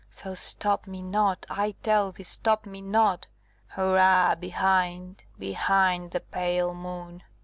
So, stop me not, I tell thee, stop me not! Hurra, behind, behind the pale Moon!"